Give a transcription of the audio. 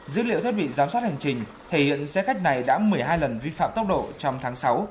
dữ liệu thiết bị giám sát hành trình thể hiện xe khách này đã một mươi hai lần vi phạm tốc độ trong tháng sáu